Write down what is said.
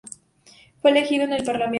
Fue elegido en el parlamento.